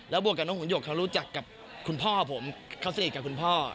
บวกกับน้องหุ่นหยกเขารู้จักกับคุณพ่อผมเขาสนิทกับคุณพ่อ